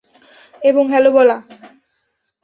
এবং, হ্যালো বলা!